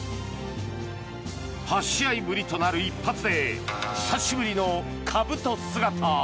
８試合ぶりとなる一発で久しぶりのかぶと姿。